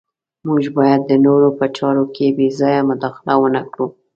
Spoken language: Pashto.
موږ باید د نورو په چارو کې بې ځایه مداخله ونه کړو.